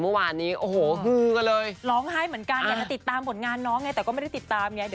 ล้างไห้เหมือนก้าจะติดตามผลงานน้องไงแต่ก็ไม่ได้ติดตามอย่างนี้